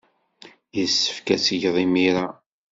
Yessefk ad t-geɣ imir-a?